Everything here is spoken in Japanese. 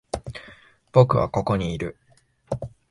僕はここにいる。